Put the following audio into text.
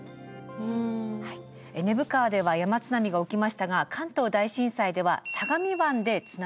根府川では山津波が起きましたが関東大震災では相模湾で津波も発生しました。